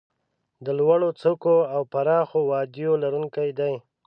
د لوړو څوکو او پراخو وادیو لرونکي دي.